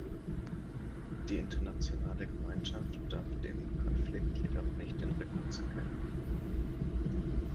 Die internationale Gemeinschaft darf dem Konflikt jedoch nicht den Rücken zukehren.